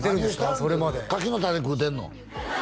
それまで柿の種食うてんの？